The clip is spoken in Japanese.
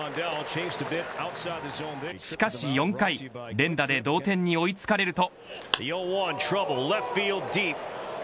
しかし４回連打で同点に追いつかれると。